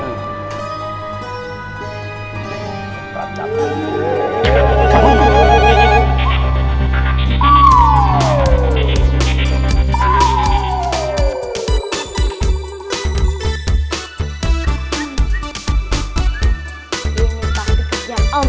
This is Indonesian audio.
kabin kabinnya memang luar biasa